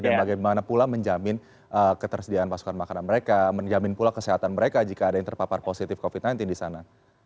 dan bagaimana pula menjamin ketersediaan pasukan makanan mereka menjamin pula kesehatan mereka jika ada yang terpapar positif covid sembilan belas disana